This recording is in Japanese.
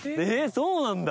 そうなんだ。